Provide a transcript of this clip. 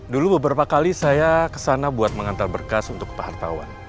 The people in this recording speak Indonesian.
dulu beberapa kali saya kesana buat mengantar berkas untuk ke pahar tawan